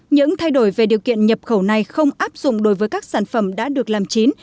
những thay đổi về điều kiện nhập khẩu này không áp dụng đối với các sản phẩm đã được làm chín